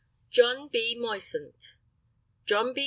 JOHN B. MOISANT. JOHN B.